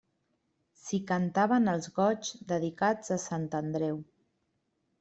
S'hi cantaven els goigs dedicats a Sant Andreu.